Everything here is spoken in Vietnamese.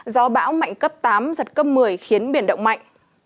gió bão mạnh cấp tám giật cấp một mươi khiến biển động mạnh